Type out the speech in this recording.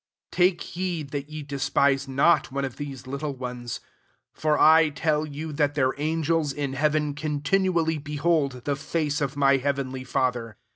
10 Take heed that ye despise not one of these little ones : for I tell you, that their angels in heaven, continually behold the face of my heavenly Father.